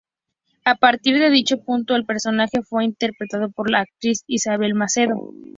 A partir de dicho punto, el personaje fue interpretado por la actriz Isabel Macedo.